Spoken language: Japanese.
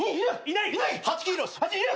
いない。